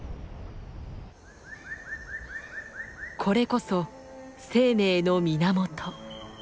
これこそ生命の源。